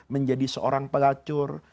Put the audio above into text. menjadi seorang pelacur